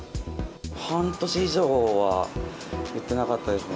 半年以上は、言ってなかったですね。